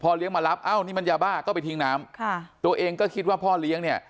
เลี้ยงมารับเอ้านี่มันยาบ้าก็ไปทิ้งน้ำค่ะตัวเองก็คิดว่าพ่อเลี้ยงเนี่ย